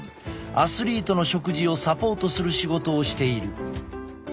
アスリートの食事をサポートする仕事をしている。